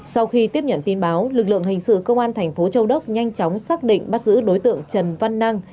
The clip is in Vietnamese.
sau khi tiếp nhận tin báo lực lượng hình sự công an thành phố châu đốc nhanh chóng xác định bắt giữ đối tượng trần văn năng